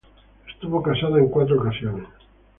Estuvo casada en cuatro ocasiones.